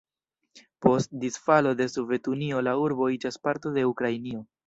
Post disfalo de Sovetunio la urbo iĝas parto de Ukrainio.